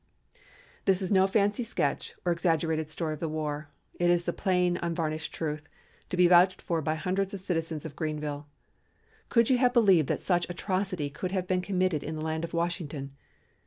"This is no fancy sketch or exaggerated story of the war. It is the plain, unvarnished truth, to be vouched for by hundreds of citizens of Greenville. Could you have believed that such atrocity could have been committed in the land of Washington?